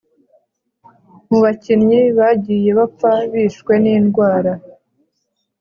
mu bakinnyibagiye bapfa bishwe n’indwara